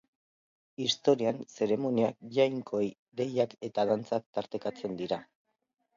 Historian zeremoniak, jainkoei deiak eta dantzak tartekatzen dira.